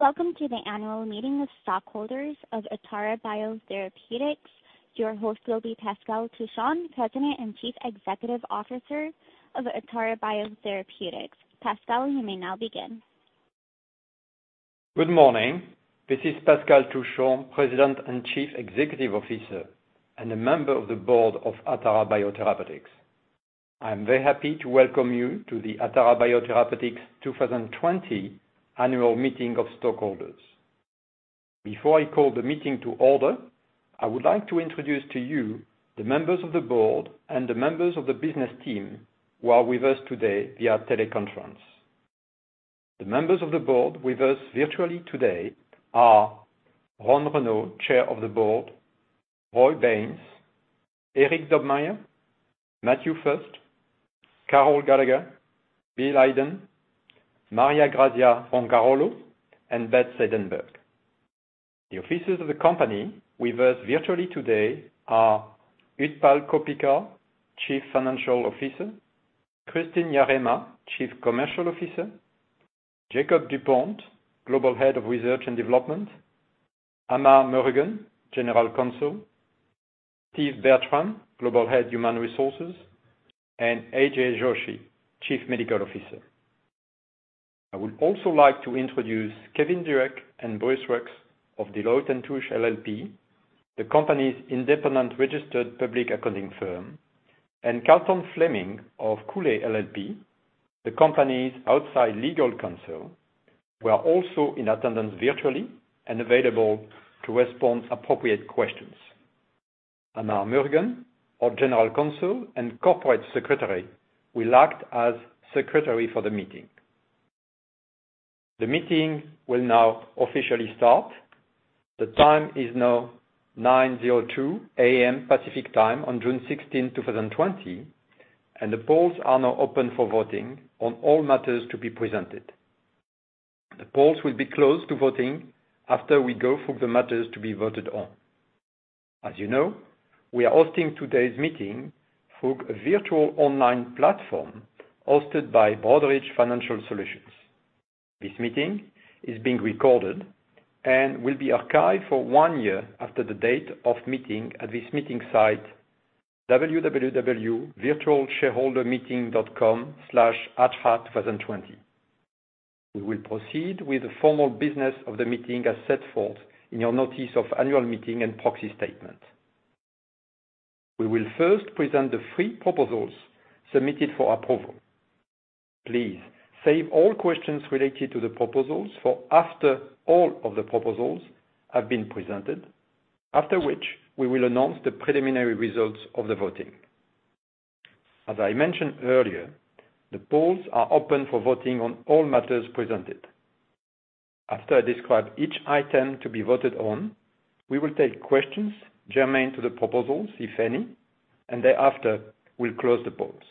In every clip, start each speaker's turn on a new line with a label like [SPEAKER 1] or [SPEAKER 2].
[SPEAKER 1] Welcome to the Annual Meeting of stockholders of Atara Biotherapeutics. Your host will be Pascal Touchon, President and Chief Executive Officer of Atara Biotherapeutics. Pascal, you may now begin.
[SPEAKER 2] Good morning. This is Pascal Touchon, President and Chief Executive Officer, and a member of the board of Atara Biotherapeutics. I'm very happy to welcome you to the Atara Biotherapeutics 2020 annual meeting of stockholders. Before I call the meeting to order, I would like to introduce to you the members of the board and the members of the business team who are with us today via teleconference. The members of the board with us virtually today are Ron Renaud, Chair of the board, Roy Baynes, Eric Dobmeier, Matthew Fust, Carol Gallagher, William Heiden, Maria Grazia Roncarolo, and Beth Seidenberg. The officers of the company with us virtually today are Utpal Koppikar, Chief Financial Officer, Kristin Yarema, Chief Commercial Officer, Jakob Dupont, Global Head of Research and Development, Amar Murugan, General Counsel, Steve Bertram, Global Head Human Resources, and A Joshi, Chief Medical Officer. I would also like to introduce Kevin Durack and Bruce Rucks of Deloitte & Touche LLP, the company's independent registered public accounting firm, and Carlton Fleming of Cooley LLP, the company's outside legal counsel, who are also in attendance virtually and available to respond to appropriate questions. Amar Murugan, our General Counsel and Corporate Secretary, will act as secretary for the meeting. The meeting will now officially start. The time is now 9:02 A.M. Pacific Time on June 16, 2020, and the polls are now open for voting on all matters to be presented. The polls will be closed to voting after we go through the matters to be voted on. As you know, we are hosting today's meeting through a virtual online platform hosted by Broadridge Financial Solutions. This meeting is being recorded and will be archived for one year after the date of meeting at this meeting site, www.virtualshareholdermeeting.com/ATRA2020. We will proceed with the formal business of the meeting as set forth in your notice of annual meeting and proxy statement. We will first present the three proposals submitted for approval. Please save all questions related to the proposals for after all of the proposals have been presented, after which we will announce the preliminary results of the voting. As I mentioned earlier, the polls are open for voting on all matters presented. After I describe each item to be voted on, we will take questions germane to the proposals, if any, and thereafter will close the polls.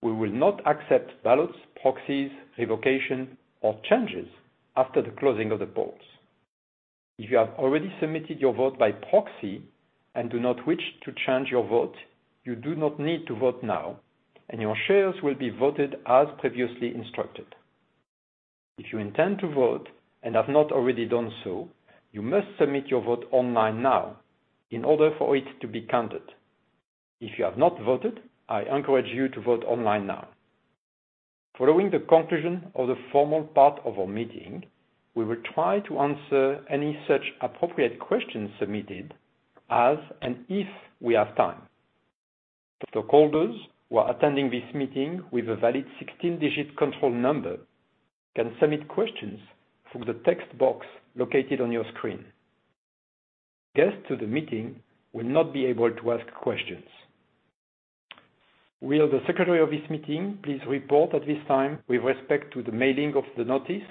[SPEAKER 2] We will not accept ballots, proxies, revocation, or changes after the closing of the polls. If you have already submitted your vote by proxy and do not wish to change your vote, you do not need to vote now, and your shares will be voted as previously instructed. If you intend to vote and have not already done so, you must submit your vote online now in order for it to be counted. If you have not voted, I encourage you to vote online now. Following the conclusion of the formal part of our meeting, we will try to answer any such appropriate questions submitted as and if we have time. Stockholders who are attending this meeting with a valid 16-digit control number can submit questions through the text box located on your screen. Guests to the meeting will not be able to ask questions. Will the secretary of this meeting please report at this time with respect to the mailing of the notice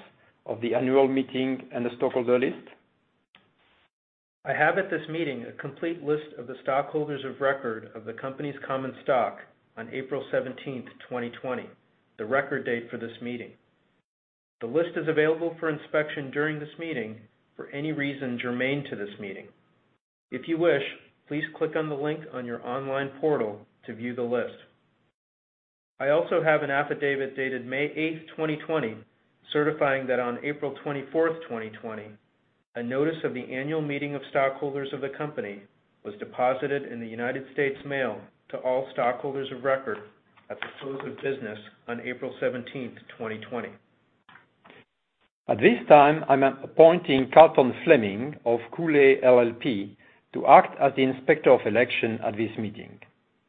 [SPEAKER 2] of the annual meeting and the stockholder list?
[SPEAKER 3] I have at this meeting a complete list of the stockholders of record of the company's common stock on April 17th, 2020, the record date for this meeting. The list is available for inspection during this meeting for any reason germane to this meeting. If you wish, please click on the link on your online portal to view the list. I also have an affidavit dated May 8th, 2020, certifying that on April 24th, 2020, a notice of the annual meeting of stockholders of the company was deposited in the U.S. mail to all stockholders of record at the close of business on April 17th, 2020.
[SPEAKER 2] At this time, I'm appointing Carlton Fleming of Cooley LLP to act as the Inspector of Election at this meeting.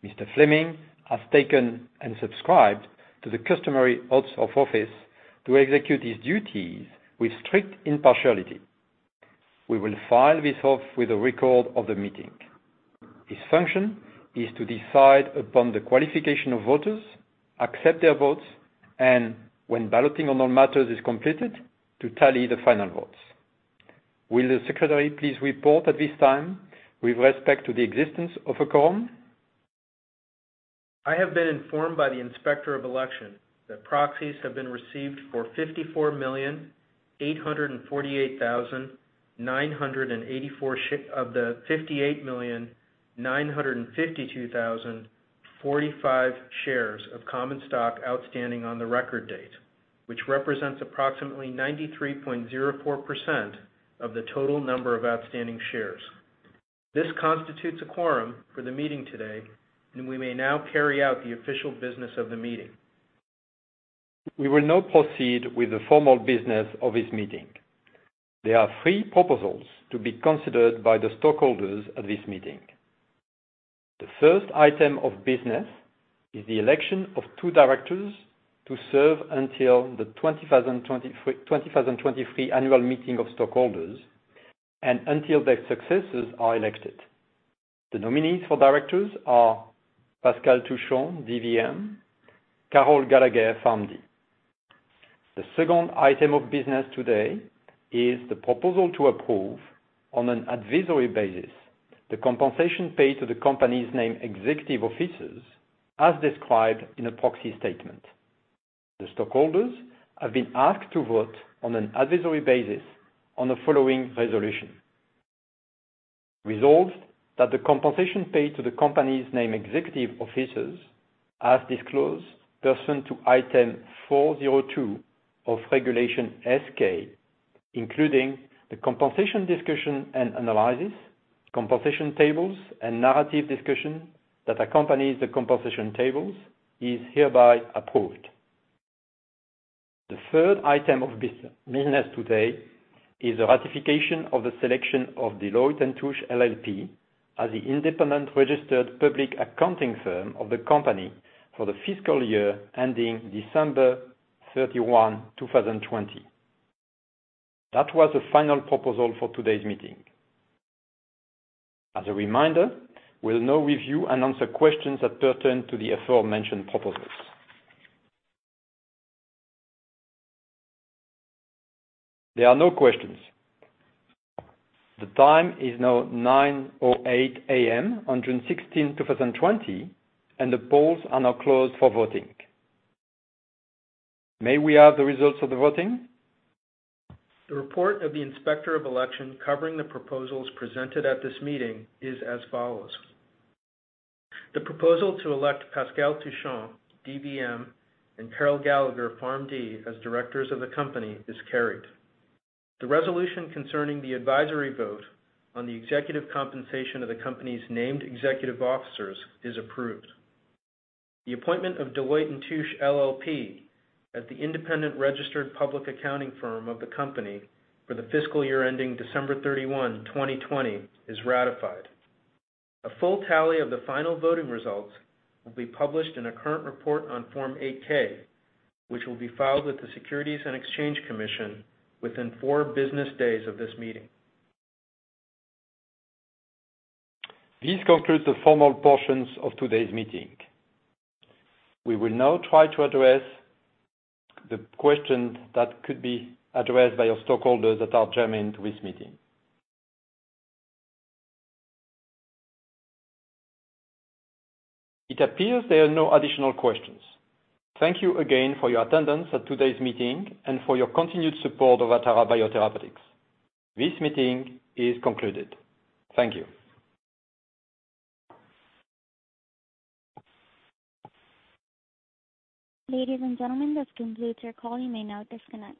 [SPEAKER 2] Mr. Fleming has taken and subscribed to the customary oaths of office to execute his duties with strict impartiality. We will file this off with a record of the meeting. His function is to decide upon the qualification of voters, accept their votes, and when balloting on all matters is completed, to tally the final votes. Will the Secretary please report at this time with respect to the existence of a quorum?
[SPEAKER 3] I have been informed by the Inspector of Election that proxies have been received for 54,848,984 of the 58,952,000. 45 shares of common stock outstanding on the record date, which represents approximately 93.04% of the total number of outstanding shares. This constitutes a quorum for the meeting today, and we may now carry out the official business of the meeting.
[SPEAKER 2] We will now proceed with the formal business of this meeting. There are three proposals to be considered by the stockholders at this meeting. The first item of business is the election of two directors to serve until the 2023 annual meeting of stockholders and until their successors are elected. The nominees for directors are Pascal Touchon, DVM, Carol Gallagher, Pharm.D. The second item of business today is the proposal to approve, on an advisory basis, the compensation paid to the company's named executive officers as described in a proxy statement. The stockholders have been asked to vote on an advisory basis on the following resolution. Resolved that the compensation paid to the company's named executive officers, as disclosed pursuant to Item 402 of Regulation S-K, including the compensation discussion and analysis, compensation tables, and narrative discussion that accompanies the compensation tables, is hereby approved. The third item of business today is the ratification of the selection of Deloitte & Touche LLP as the independent registered public accounting firm of the company for the fiscal year ending December 31, 2020. That was the final proposal for today's meeting. As a reminder, we'll now review and answer questions that pertain to the aforementioned proposals. There are no questions. The time is now 9:08 A.M. on June 16, 2020, and the polls are now closed for voting. May we have the results of the voting?
[SPEAKER 3] The report of the Inspector of Election covering the proposals presented at this meeting is as follows. The proposal to elect Pascal Touchon, DVM, and Carol Gallagher, Pharm.D., as directors of the company is carried. The resolution concerning the advisory vote on the executive compensation of the company's named executive officers is approved. The appointment of Deloitte & Touche LLP as the independent registered public accounting firm of the company for the fiscal year ending December 31, 2020, is ratified. A full tally of the final voting results will be published in a current report on Form 8-K, which will be filed with the Securities and Exchange Commission within four business days of this meeting.
[SPEAKER 2] This concludes the formal portions of today's meeting. We will now try to address the questions that could be addressed by our stockholders that are germane to this meeting. It appears there are no additional questions. Thank you again for your attendance at today's meeting and for your continued support of Atara Biotherapeutics. This meeting is concluded. Thank you.
[SPEAKER 1] Ladies and gentlemen, this concludes your call. You may now disconnect.